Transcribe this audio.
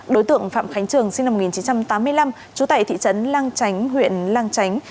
đối tượng phạm khánh trường sinh năm một nghìn chín trăm tám mươi năm trú tại thị trấn lang chánh huyện lang chánh